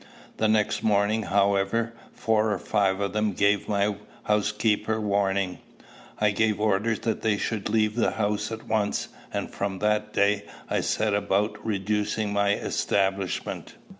The next morning, however, four or five of them gave my housekeeper warning: I gave orders that they should leave the house at once, and from that day I set about reducing my establishment.